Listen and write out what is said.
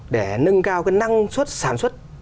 để nâng cao cái năng suất sản xuất